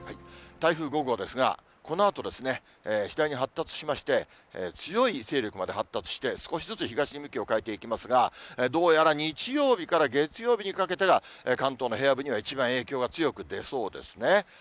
台風５号ですが、このあと、次第に発達しまして、強い勢力まで発達して、少しずつ東に向きを変えていきますが、どうやら日曜日から月曜日にかけてが、関東の平野部には一番影響が強く出そうですね。